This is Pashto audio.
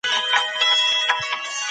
سکون د ښه پرېکړې لامل کېږي.